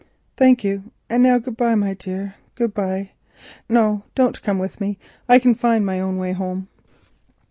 "Thank you; and now good bye, my dear, good bye! No, don't come with me, I can find my own way home.